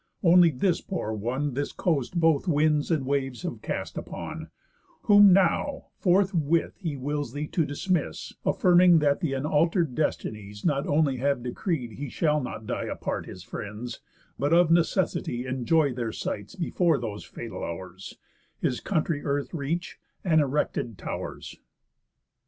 Only this poor one This coast both winds and waves have cast upon; Whom now forthwith he wills thee to dismiss, Affirming that th' unalter'd Destinies Not only have decreed he shall not die Apart his friends, but of necessity Enjoy their sights before those fatal hours, His country earth reach, and erected tow'rs."